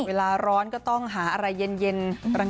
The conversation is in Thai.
เวลาร้อนก็ต้องหาอะไรเย็นออกแล้วไป